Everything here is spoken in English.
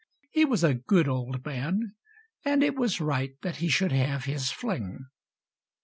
He was a good old man, and it was right That he should have his fling.